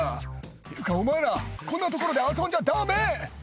「っていうかお前らこんな所で遊んじゃダメ」